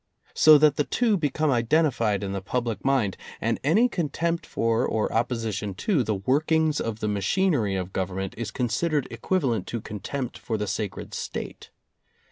So that the two be come identified in the public mind, and any con tempt for or opposition to the workings of the machinery of Government is considered equivalent to contempt for the sacred State.